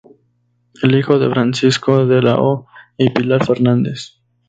Es hijo de Francisco de la O y Pilar Fernández.